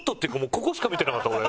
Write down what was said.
ここしか見てなかった俺。